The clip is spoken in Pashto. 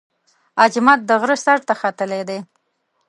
اجمد د غره سر ته ختلی دی.